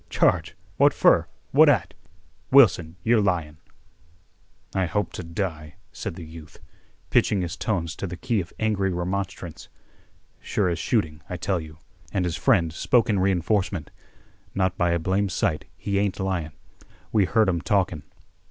Charge? What fer? What at? Wilson, you're lyin'." "I hope to die," said the youth, pitching his tones to the key of angry remonstrance. "Sure as shooting, I tell you." And his friend spoke in re enforcement. "Not by a blame sight, he ain't lyin'. We heard 'em talkin'."